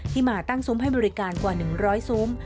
มาตั้งซุ้มให้บริการกว่า๑๐๐ซุ้ม